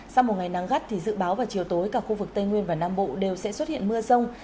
sau một ngày nắng gắt thì dự báo vào chiều tối cả khu vực tây nguyên và nam bộ đều sẽ xuất hiện mưa rông